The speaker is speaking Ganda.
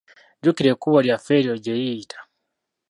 Jjukira ekkubo lyaffe eryo gye liyita.